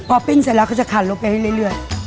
พอปิ้งเสร็จแล้วก็จะขาดลงไปเรื่อย